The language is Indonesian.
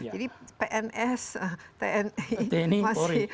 jadi pns tni